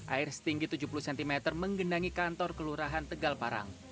air setinggi tujuh puluh cm menggenangi kantor kelurahan tegal parang